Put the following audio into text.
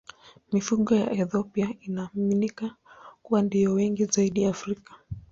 Mifugo ya Ethiopia inaaminika kuwa ndiyo wengi zaidi Afrika.